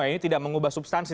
ini tidak mengubah substansi